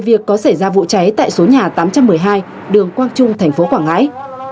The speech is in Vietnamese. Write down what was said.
bộ cháy tại số nhà tám trăm một mươi hai đường quang trung tp quảng ngãi